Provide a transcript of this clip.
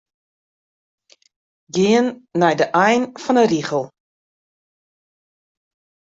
Gean nei de ein fan 'e rigel.